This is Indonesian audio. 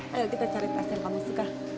ayo kita cari tes yang kamu suka